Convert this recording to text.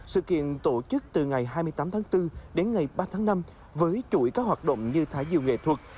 sự kiện tổ chức từ ngày hai mươi tám tháng bốn đến ngày ba tháng năm với chuỗi các hoạt động như thả diều nghệ thuật